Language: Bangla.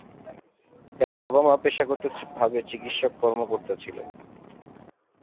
তার বাবা-মা পেশাগতভাবে চিকিৎসা কর্মকর্তা ছিলেন।